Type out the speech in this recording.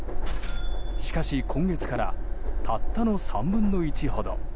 しかし、今月からたったの３分の１ほど。